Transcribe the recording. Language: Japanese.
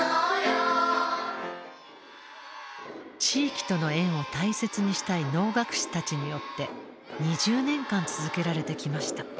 地域との縁を大切にしたい能楽師たちによって２０年間続けられてきました。